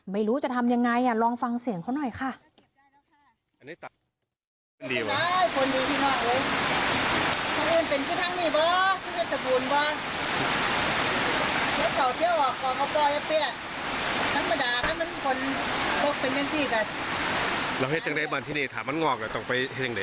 ไม่รู้จะทำยังไงลองฟังเสียงเขาหน่อยค่ะ